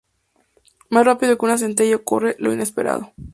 Más rápido que una centella ocurre lo inesperado.